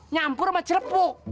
nyampur sama celepuk